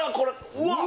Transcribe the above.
うわっ！